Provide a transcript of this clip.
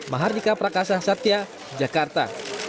mahardika prakasa satya jakarta